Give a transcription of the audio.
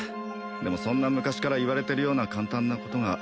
でもそんな昔から言われてるような簡単なことが